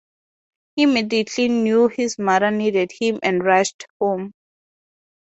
He immediately knew his mother needed him and rushed home.